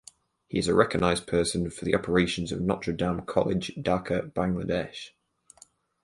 He is a recognized person for the operations of Notre Dame College, Dhaka, Bangladesh.